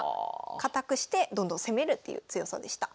堅くしてどんどん攻めるっていう強さでした。